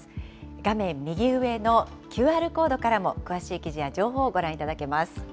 画面右上のＱＲコードからも、詳しい記事や情報をご覧いただけます。